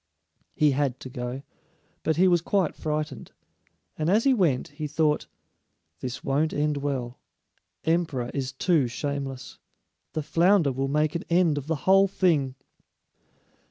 He had to go, but he was quite frightened. And as he went, he thought, "This won't end well; emperor is too shameless. The flounder will make an end of the whole thing."